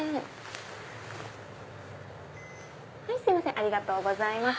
ありがとうございます。